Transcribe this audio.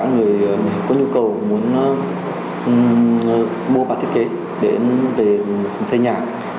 người có nhu cầu muốn mua bản thiết kế để về xây nhà